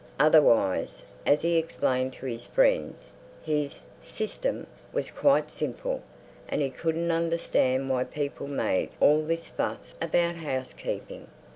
Otherwise, as he explained to his friends, his "system" was quite simple, and he couldn't understand why people made all this fuss about housekeeping.